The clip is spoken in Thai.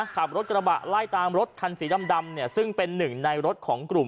ขับรถกระบะไล่ตามรถคันสีดำเนี่ยซึ่งเป็นหนึ่งในรถของกลุ่ม